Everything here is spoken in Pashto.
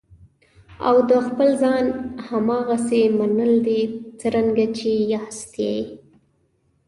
او د خپل ځان هماغسې منل دي څرنګه چې یاستئ.